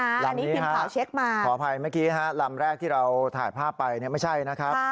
อันนี้ทีมข่าวเช็คมาขออภัยเมื่อกี้ลำแรกที่เราถ่ายภาพไปเนี่ยไม่ใช่นะครับ